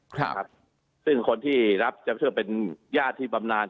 ครับซึ่งคนที่รับจะเชื่อมเป็นญาติที่บำนาน